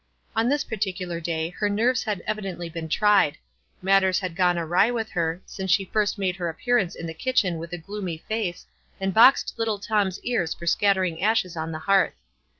On this particular day her nerves had evidently been tried — matters had gone awry with her since she first made her appearance in the kitchen with a gloomy face, and boxed little WISE AND OTHERWISE. 153 Tom's ears for scattering ashes on the hearth.